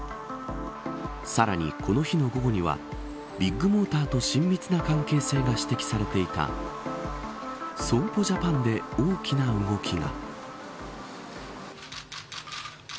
さらに、この日の午後にはビッグモーターと親密な関係性が指摘されていた損保ジャパンで大きな動きが。